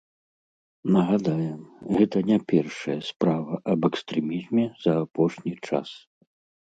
Нагадаем, гэта не першая справа аб экстрэмізме за апошні час.